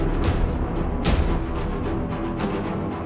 terima kasih pak